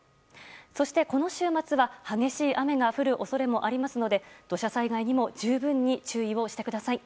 そして、この週末は激しい雨が降る恐れもありますので土砂災害にも十分に注意してください。